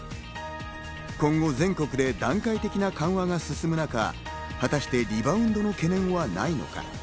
今後、全国で段階的な緩和が進む中、果たしてリバウンドの懸念はないのか。